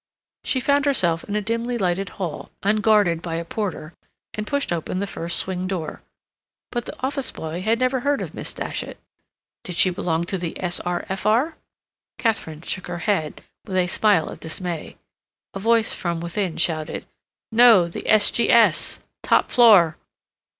She found herself in a dimly lighted hall, unguarded by a porter, and pushed open the first swing door. But the office boy had never heard of Miss Datchet. Did she belong to the S.R.F.R.? Katharine shook her head with a smile of dismay. A voice from within shouted, "No. The S.G.S.—top floor."